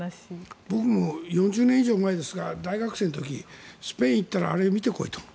僕も４０年以上前ですが大学生の時スペインに行ったらあれを見て来いと。